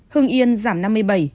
hưng yên giảm năm mươi bảy